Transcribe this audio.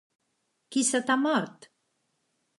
qui se t'ha mort?